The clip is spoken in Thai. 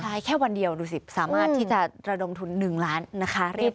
ใช่แค่วันเดียวดูสิสามารถที่จะระดมทุน๑ล้านนะคะ